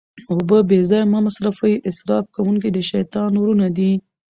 اوبه بې ځایه مه مصرفوئ، اسراف کونکي د شيطان وروڼه دي